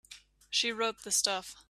She wrote the stuff.